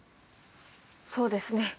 そうですね。